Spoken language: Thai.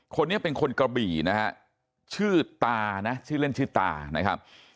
คนนี้เป็นคนกระบี่นะฮะชื่อตานะชื่อเล่นชื่อตานะครับ